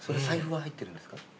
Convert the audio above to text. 財布は入ってるんですか？